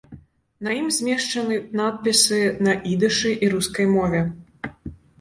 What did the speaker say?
На ім змешчаны надпісы на ідышы і рускай мове.